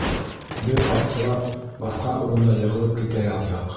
Беҙ, аптырап, баҫҡан урында йығылып китә яҙҙыҡ.